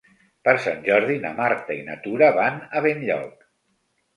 Per Sant Jordi na Marta i na Tura van a Benlloc.